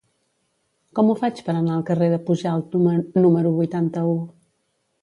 Com ho faig per anar al carrer de Pujalt número vuitanta-u?